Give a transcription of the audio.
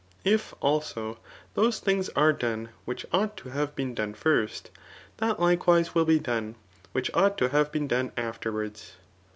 If, also, those things are done which ought to have been done first, that likewise will be done, which ought to have been done afterwards.